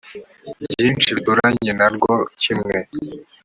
byinshi bituranye na rwo kimwe